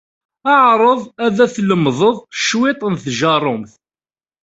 Ɛreḍ ad tlemded cwiṭ n tjeṛṛumt.